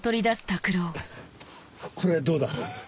これどうだ？